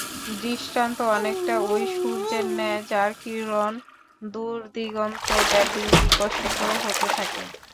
দৃষ্টান্ত অনেকটা ঐ সূর্যের ন্যায় যার কিরণ দূর-দিগন্তব্যাপী বিকশিত হতে থাকে।